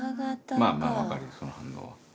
まぁまぁ分かるよその反応は。